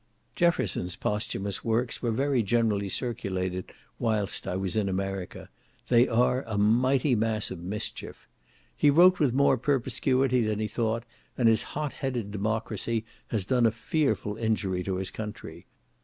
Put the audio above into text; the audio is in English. Jefferson's posthumous works were very generally circulated whilst I was in America. They are a mighty mass of mischief. He wrote with more perspicuity than he thought, and his hot headed democracy has done a fearful injury to his country.